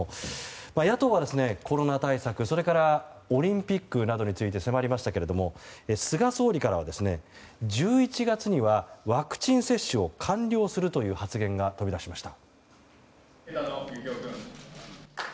野党は、コロナ対策オリンピックなどについて迫りましたが、菅総理からは１１月にはワクチン接種を完了するという発言が飛び出しました。